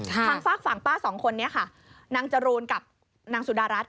ทางฝากฝั่งป้าสองคนนี้ค่ะนางจรูนกับนางสุดารัฐ